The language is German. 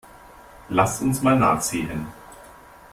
Lass uns mal nachsehen.